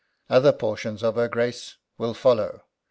Other portions of her Grace will follow.